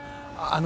ああ。